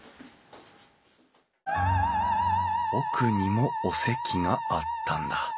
奥にもお席があったんだ。